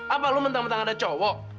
apa lu mentang mentang ada cowok